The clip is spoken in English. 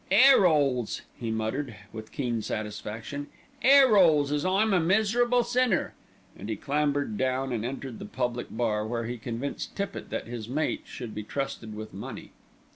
"Air 'oles," he muttered with keen satisfaction; "air 'oles, as I'm a miserable sinner," and he clambered down and entered the public bar, where he convinced Tippitt that his mate could be trusted with money.